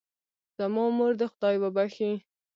زما مور دې خدای وبښئ